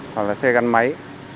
hoặc là xe gắn máy